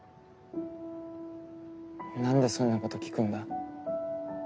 なんでそんなこと聞くんだ？